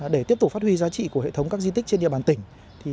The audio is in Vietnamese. để tiếp tục phát huy giá trị của hệ thống các di tích trên địa bàn tỉnh